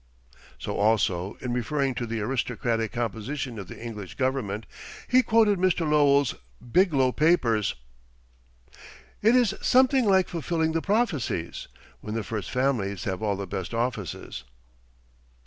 So also, in referring to the aristocratic composition of the English government, he quoted Mr. Lowell's "Biglow Papers": "It is something like fulfilling the prophecies When the first families have all the best offices."